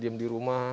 simpan di rumah